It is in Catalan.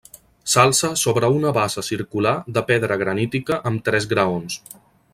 S'alça sobre una base circular de pedra granítica amb tres graons.